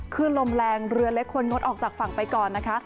ขึ้นลมแรงเรือเล็กควรงดออกจากฝั่งไปก่อนนะคะ